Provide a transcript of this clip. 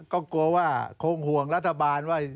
ก็กลัวว่าคงห่วงรัฐบาลว่า